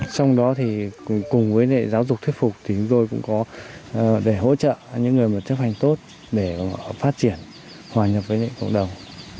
trong đó thì cùng với giáo dục thuyết phục thì chúng tôi cũng có để hỗ trợ những người mà chấp hành tốt để phát triển hòa nhập với cộng đồng